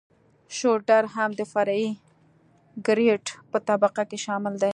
شولډر هم د فرعي ګریډ په طبقه کې شامل دی